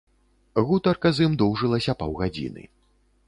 Гутарка з ім доўжылася паўгадзіны.